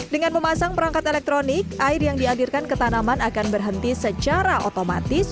dengan memasang perangkat elektronik air yang diadirkan ke tanaman akan berhenti secara otomatis